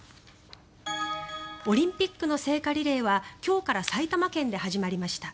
オリンピックの聖火リレーは今日から埼玉県で始まりました。